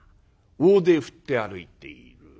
大手振って歩いている。